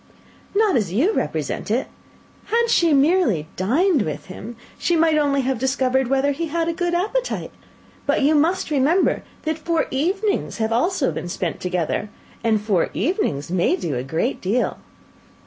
"Not as you represent it. Had she merely dined with him, she might only have discovered whether he had a good appetite; but you must remember that four evenings have been also spent together and four evenings may do a great deal."